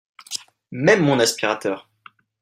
Même mon aspirateur